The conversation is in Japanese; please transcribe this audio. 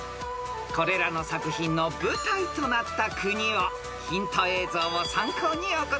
［これらの作品の舞台となった国をヒント映像を参考にお答えください］